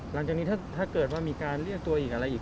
หลังจากนี้ถ้าเกิดว่ามีการเรียกตัวอีกอะไรอีก